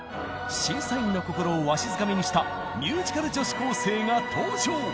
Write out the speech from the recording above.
審査員の心をわしづかみにしたミュージカル女子高生が登場。